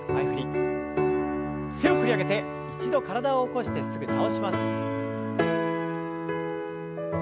強く振り上げて一度体を起こしてすぐ倒します。